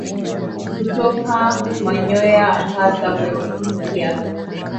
Kutoka manyoya hasa kwenye mkia